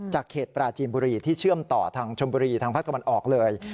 เขตปราจีนบุรีที่เชื่อมต่อทางชมบุรีทางภาคตะวันออกเลย